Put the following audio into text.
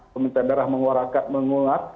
pemerintah daerah menguat